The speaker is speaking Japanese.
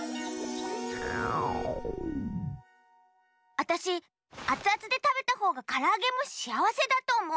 あたしあつあつでたべたほうがからあげもしあわせだとおもう。